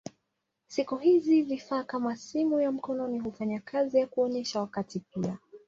Siku hizi vifaa kama simu ya mkononi hufanya kazi ya kuonyesha wakati pia.